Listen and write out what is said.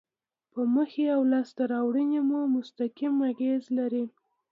په موخې او لاسته راوړنې مو مستقیم اغیز لري.